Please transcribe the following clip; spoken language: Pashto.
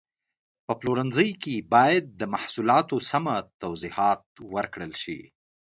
په پلورنځي کې باید د محصولاتو سمه توضیحات ورکړل شي.